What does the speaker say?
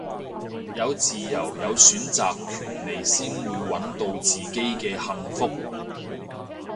有自由有選擇權利先會搵到自己嘅幸福